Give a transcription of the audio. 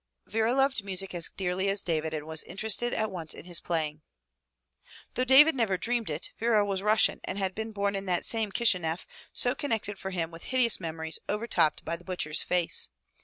Vera loved music as dearly as David and was interested at once in his playing. Though David never dreamed it. Vera was Russian and had been born in that same Kishineff so connected for him with hideous memories overtopped by the butcher's face."